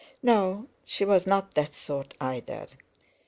No, she was not that sort either.